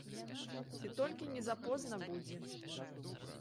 Ці толькі не запозна будзе.